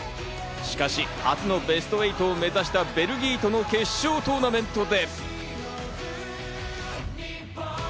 しかし、初のベスト８を目指したベルギーとの決勝トーナメントで。